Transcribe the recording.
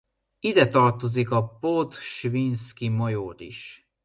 Ide tartozik a Podsvinszki-major is.